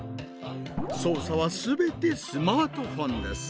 操作は全てスマートフォンです。